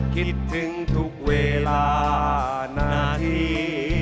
คิดถึงทุกเวลานาน